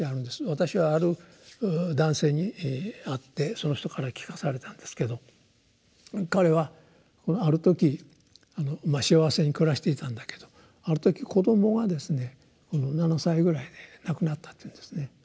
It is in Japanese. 私はある男性に会ってその人から聞かされたんですけど彼はある時まあ幸せに暮らしていたんだけどある時子どもがですね７歳ぐらいで亡くなったっていうんですね。